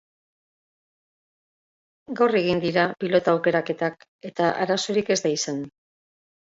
Gaur egin dira pilota aukeraketak eta arazorik ez da izan.